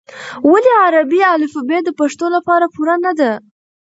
ولې عربي الفبې د پښتو لپاره پوره نه ده؟